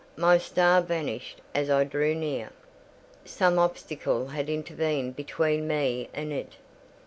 My star vanished as I drew near: some obstacle had intervened between me and it.